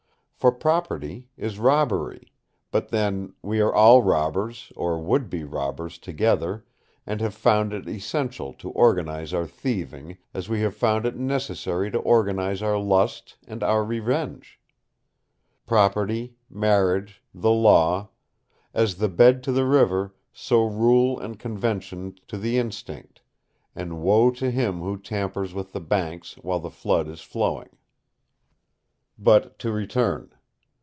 For property is robbery, but then, we are all robbers or would be robbers together, and have found it essential to organise our thieving, as we have found it necessary to organise our lust and our revenge. Property, marriage, the law; as the bed to the river, so rule and convention to the instinct; and woe to him who tampers with the banks while the flood is flowing. But to return.